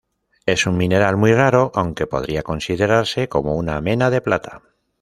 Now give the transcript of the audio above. Es un mineral muy raro, aunque podría considerarse como una mena de plata.